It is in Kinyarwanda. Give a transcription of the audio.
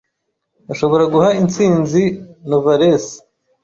Ashobora guha intsinzi Novarese